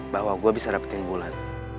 bahwa gue bisa dapetin bulan